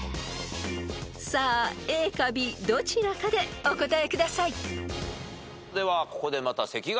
［さあＡかＢどちらかでお答えください］では。